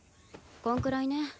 こんくらいね。